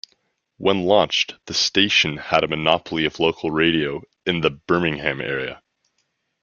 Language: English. When launched, the station had a monopoly of local radio in the Birmingham area.